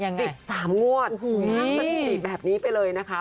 ๑๓งวดนั่งสถิติแบบนี้ไปเลยนะคะ